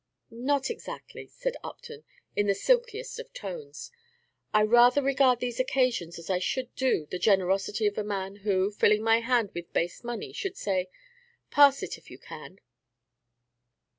"Not exactly," said Upton, in his silkiest of tones; "I rather regard these occasions as I should do the generosity of a man who, filling my hand with base money, should say, 'Pass it if you can!'"